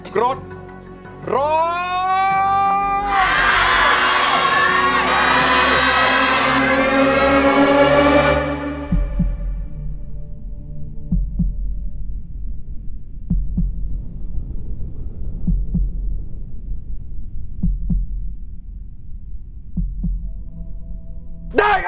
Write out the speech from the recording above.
กรดร้อง